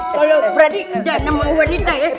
kalau berani jangan mau wanita ya